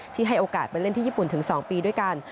ให้โอกาสไปเล่นที่ญี่ปุ่นถึง๒ปีด้วยกัน